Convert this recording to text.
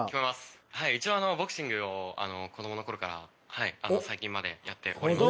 一応あのボクシングを子供の頃から最近までやっております。